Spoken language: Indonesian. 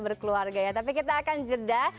berkeluarga ya tapi kita akan jeda